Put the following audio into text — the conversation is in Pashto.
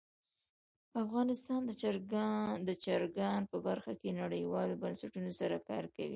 افغانستان د چرګان په برخه کې نړیوالو بنسټونو سره کار کوي.